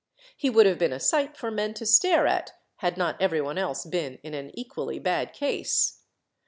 He would have been a sight for men to stare at, had not every one else been in an equally bad case.